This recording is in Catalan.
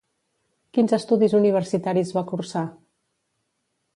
Quins estudis universitaris va cursar?